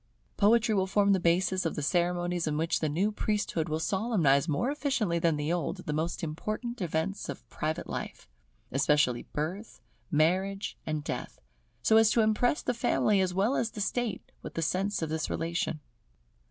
Poetry will form the basis of the ceremonies in which the new priesthood will solemnise more efficiently than the old, the most important events of private life: especially Birth, Marriage, and Death; so as to impress the family as well as the state with the sense of this relation.